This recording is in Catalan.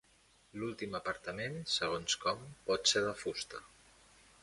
L'últim apartament, segons com, pot ser de fusta.